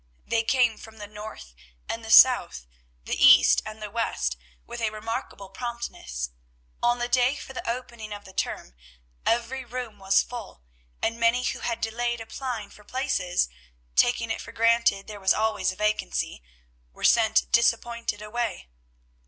They came from the north and the south, the east and the west, with a remarkable promptness. On the day for the opening of the term every room was full, and many who had delayed applying for places taking it for granted there was always a vacancy were sent disappointed away.